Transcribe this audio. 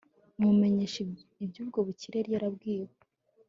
amumenyesha iby'ubwo bukire yari yabwiwe